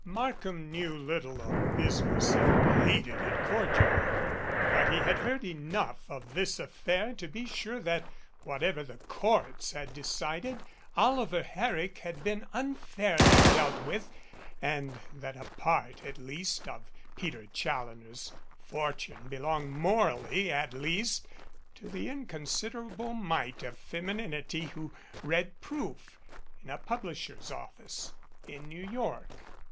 Markham knew little of business and hated it cor dially, but he had heard enough of this affair to be sure that, whatever the courts had decided, Oliver Herrick had been unfairly dealt with and that a part, at least, of Peter Challoner's fortune belonged morally, at least, to the inconsiderable mite of femininity who read proof in a publisher's office in New York.